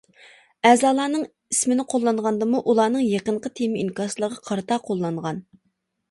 ئەزالارنىڭ ئىسىنى قوللانغاندىمۇ ئۇلارنىڭ يېقىنقى تېما ئىنكاسلىرىغا قارىتا قوللانغان.